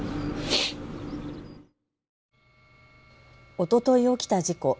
おととい起きた事故。